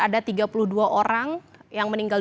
ada tiga puluh dua orang yang meninggal